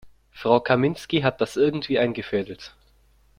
Frau Kaminski hat das irgendwie eingefädelt.